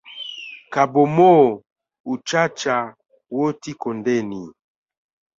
Kabomoo uchacha woti kondeni.